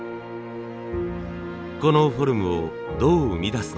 このフォルムをどう生み出すのか。